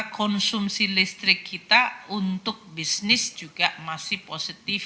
konsumsi listrik kita untuk bisnis juga masih positif